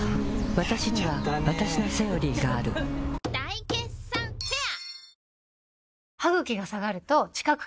わたしにはわたしの「セオリー」がある大決算フェア